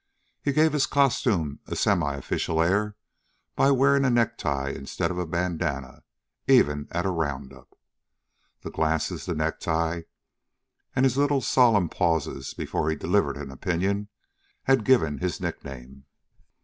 He gave his costume a semiofficial air by wearing a necktie instead of a bandanna, even at a roundup. The glasses, the necktie, and his little solemn pauses before he delivered an opinion, had given his nickname.